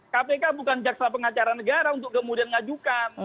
kpk bukan jaksa pengacara negara untuk kemudian ngajukan